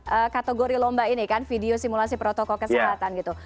jadi kategori lomba ini kan video simulasi protokol kesehatan gitu